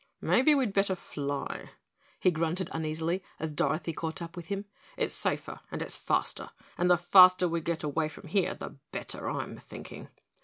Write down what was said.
"Maybe we'd better fly," he grunted uneasily as Dorothy caught up with him. "It's safer and it's faster, and the faster we get away from here the better, I'm thinking."